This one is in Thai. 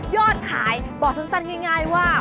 ยอดขายบอกสั้นง่ายว่า